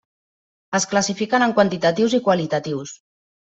Es classifiquen en quantitatius i qualitatius.